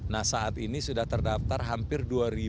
nah saat ini sudah terdaftar hampir dua